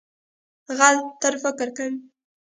غلی، تل فکر کوي.